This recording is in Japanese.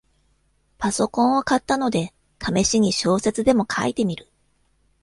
パソコンを買ったので、ためしに小説でも書いてみる